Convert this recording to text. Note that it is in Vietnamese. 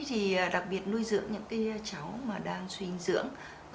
thì đặc biệt nuôi dưỡng những cháu đang suy dinh dưỡng